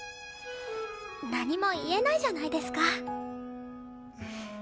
何も言えないじゃないですか。